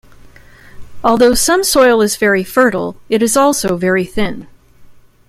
Although some soil is very fertile, it is also very thin.